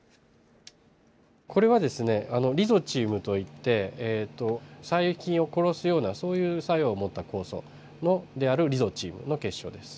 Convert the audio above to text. これはリゾチームといって細菌を殺すようなそういう作用を持った酵素であるリゾチームの結晶です。